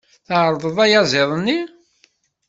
Tεerḍeḍ ayaziḍ-nni?